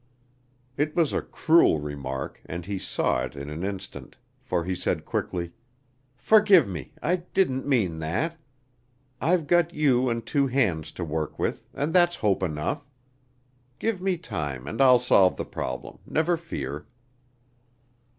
It was a cruel remark and he saw it in an instant, for he said quickly: "Forgive me, I didn't mean that. I've got you and two hands to work with, and that's hope enough. Give me time and I'll solve the problem, never fear!"